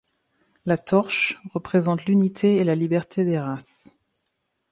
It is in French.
La torche représente l'unité et la liberté des races.